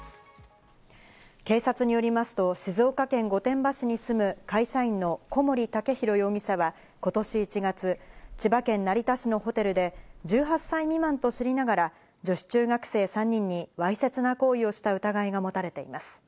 警察によりますと静岡県御殿場市に住む会社員の小森健裕容疑者は今年１月、千葉県成田市のホテルで１８歳未満と知りながら女子中学生３人にわいせつな行為をした疑いがもたれています。